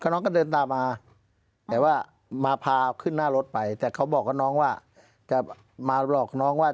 น้องเล่าให้ฟังว่าอย่างนั้น